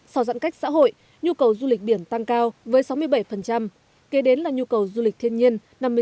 sau giãn cách xã hội nhu cầu du lịch biển tăng cao với sáu mươi bảy kế đến là nhu cầu du lịch thiên nhiên năm mươi sáu